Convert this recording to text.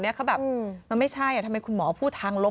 เขาแบบมันไม่ใช่ทำไมคุณหมอพูดทางลบ